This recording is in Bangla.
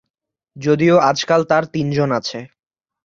যদিও আজকাল তার তিনজন আছে।